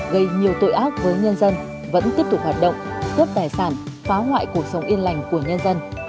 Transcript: gây nhiều tội ác với nhân dân vẫn tiếp tục hoạt động cướp tài sản phá hoại cuộc sống yên lành của nhân dân